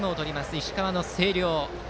石川・星稜。